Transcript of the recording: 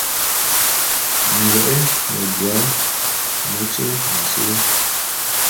Ngoe medouan, mametye minsili.